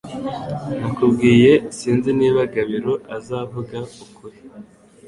Nakubwiye sinzi niba Gabiro azavuga ukuri